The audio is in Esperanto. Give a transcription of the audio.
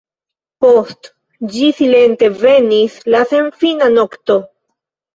Post ĝi silente venis la senfina nokto.